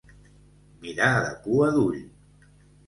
Mirar de cua d'ull.